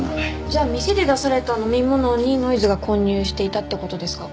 じゃあ店で出された飲み物にノイズが混入していたって事ですか？